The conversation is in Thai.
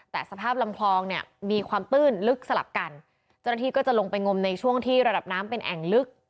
แต่สภาพลำคลองเนี่ยมีความตื้นลึกสลับกันเจ้าหน้าที่ก็จะลงไปงมในช่วงที่ระดับน้ำเป็นแอ่งลึก